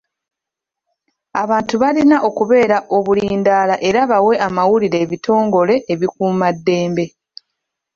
Abantu balina okubeera obulindaala era bawe amawulire ebitongole ebikuumaddembe.